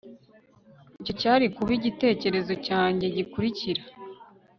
Icyo cyari kuba igitekerezo cyanjye gikurikira